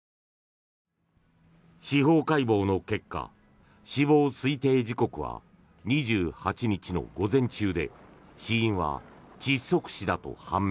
司法解剖の結果死亡推定時刻は２８日の午前中で死因は窒息死だと判明。